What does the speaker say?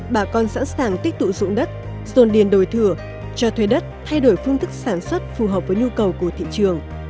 bà con sẵn sàng tiếp tục dụng đất dồn điền đồi thừa cho thuê đất thay đổi phương thức sản xuất phù hợp với nhu cầu của thị trường